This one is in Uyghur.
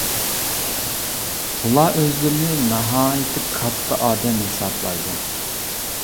ئۇلار ئۆزلىرىنى ناھايىتى كاتتا ئادەم ھېسابلايدۇ.